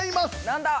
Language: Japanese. なんだ？